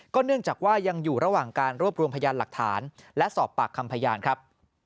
เนื่องจากว่ายังอยู่ระหว่างการรวบรวมพยานหลักฐานและสอบปากคำพยานครับ